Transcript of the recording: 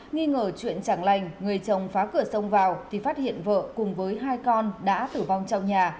nghi ngờ chuyện chẳng lành người chồng phá cửa sông vào thì phát hiện vợ cùng với hai con đã tử vong trong nhà